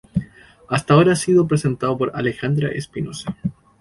Hasta ahora ha sido presentado por Alejandra Espinoza.